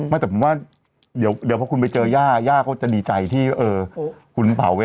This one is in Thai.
แต่คุณว่าเดี๋ยวพอไปเจอย่าย่าเขาจะดีใจที่ขุนเผาไว้